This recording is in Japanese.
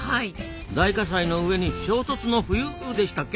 大火災の上に「衝突の冬」でしたっけ？